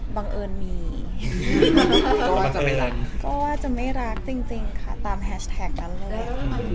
บังเอิญมีเพราะว่าจะไม่รักจริงค่ะตามแฮชแท็กนั้นเลย